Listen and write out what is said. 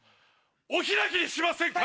お開きにしませんか？